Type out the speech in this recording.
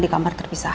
di kamar terpisah